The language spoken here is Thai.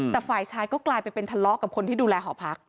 แต่ฝ่ายชายก็กลายไปเป็นทะเลาะกับคนที่ดูแลหอพัก